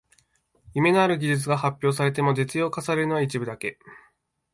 夢のある技術が発表されても実用化されるのは一部だけ